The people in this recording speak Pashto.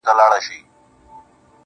• دلته خواران ټوله وي دلته ليوني ورانوي.